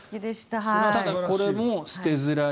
これも捨てづらい。